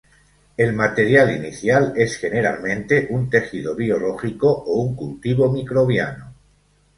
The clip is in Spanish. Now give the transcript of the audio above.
El material inicial es generalmente un tejido biológico o un cultivo microbiano.